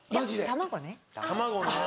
卵ね。